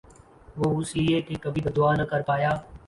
وُہ اس لئے کہ کبھی بد دُعا نہ کر پایا